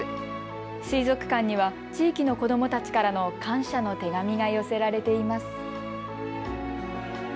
水族館には地域の子どもたちからの感謝の手紙が寄せられています。